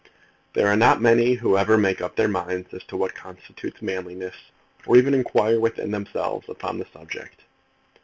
There are not many who ever make up their minds as to what constitutes manliness, or even inquire within themselves upon the subject.